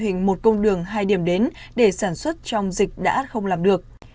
hình một công đường hai điểm đến để sản xuất trong dịch đã không làm được